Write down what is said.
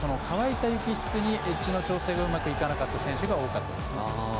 乾いた雪質にエッジの調整がうまくいかなかった選手が多かったですね。